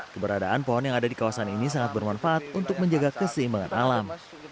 keberadaan pohon yang ada di kawasan ini sangat bermanfaat untuk menjaga keseimbangan alam